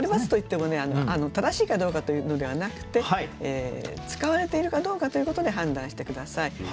○×といってもね正しいかどうかというのではなくて使われているかどうかということで判断して下さい。